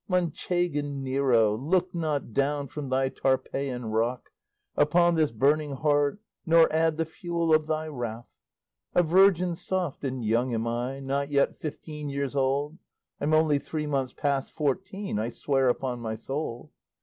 Manchegan Nero, look not down From thy Tarpeian Rock Upon this burning heart, nor add The fuel of thy wrath. A virgin soft and young am I, Not yet fifteen years old; (I'm only three months past fourteen, I swear upon my soul).